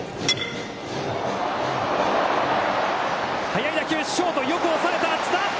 速い打球、ショートよく押さえた。